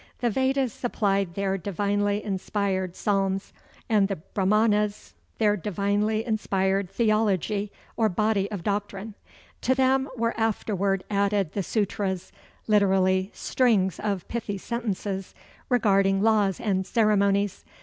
The Vedas supplied their divinely inspired psalms, and the Brahmanas their divinely inspired theology or body of doctrine. To them were afterward added the Sutras, literally "Strings of pithy sentences" regarding laws and ceremonies.